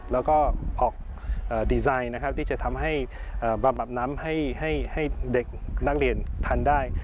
แล้วก็ออกดีไซน์นะครับที่จะทำให้บำบับน้ำให้เด็กนักเรียนทันได้